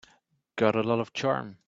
Got a lot of charm.